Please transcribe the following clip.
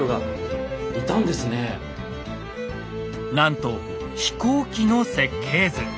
なんと飛行機の設計図。